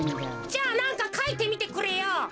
じゃあなんかかいてみてくれよ。